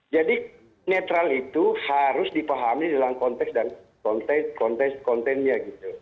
jadi netral itu harus dipahami dalam konteks konteks kontennya